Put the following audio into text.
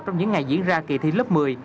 trong những ngày diễn ra kỳ thi lớp một mươi